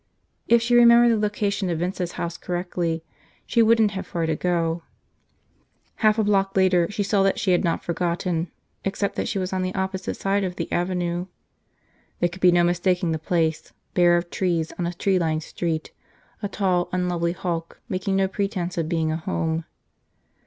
If she remembered the location of Vince's house correctly, she wouldn't have far to go. Half a block later she saw that she had not forgotten, except that she was on the opposite side of the avenue. There could be no mistaking the place, bare of trees on a tree lined street, a tall unlovely hulk making no pretense of being a home.